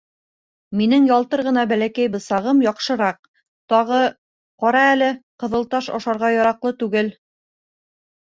Минең ялтыр ғына бәләкәй бысағым яҡшыраҡ, тағы... ҡара әле, ҡыҙыл таш ашарға яраҡлы түгел.